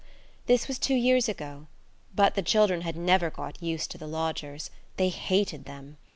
This was two years ago; but the children had never got used to the lodgers. They hated them.